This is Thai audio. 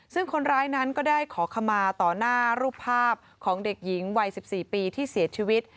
ซึ่งคนร้ายนั้นก็ได้ขอขมาต่อหน้ารูปภาพของเด็กหญิงวัย๑๔ปีที่เสียชีวิต